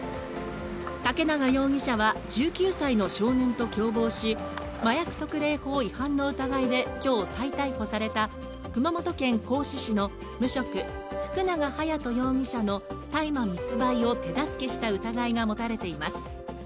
竹永容疑者は１９歳の少年と共謀し、麻薬特例法違反の疑いで今日、再逮捕された熊本県合志市の無職、福永隼斗容疑者の大麻密売を手助けした疑いが持たれています。